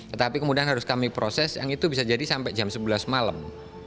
tetapi kemudian harus kami proses yang itu bisa jadi sampai jam sebelas malam